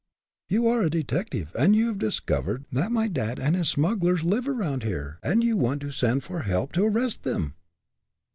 "You are a detective, and you have discovered that my dad and his smugglers live around here, and you want to send for help to arrest them!"